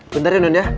bentar ya non ya